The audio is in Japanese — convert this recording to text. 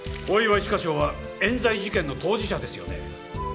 大岩一課長は冤罪事件の当事者ですよね？